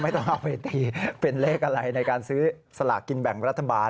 ต้องเอาไปตีเป็นเลขอะไรในการซื้อสลากกินแบ่งรัฐบาล